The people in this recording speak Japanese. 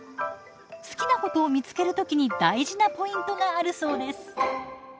好きなことを見つける時に大事なポイントがあるそうです。